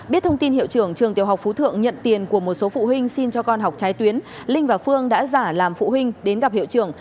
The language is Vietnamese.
biết thông tin hiệu trưởng trường tiểu học phú thượng nhận tiền của một số phụ huynh xin cho con học trái tuyến linh và phương đã giả làm phụ huynh đến gặp hiệu trưởng